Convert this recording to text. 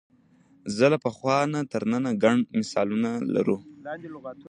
له پخوا تر ننه ګڼ مثالونه لرو